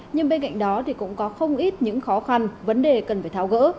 nhưng bên cạnh đó thì cũng có không ít những khó khăn vấn đề cần phải tháo gỡ